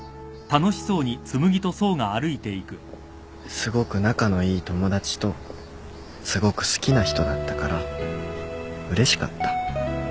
すごく仲のいい友達とすごく好きな人だったからうれしかった